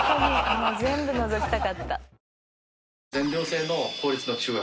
もう全部のぞきたかった。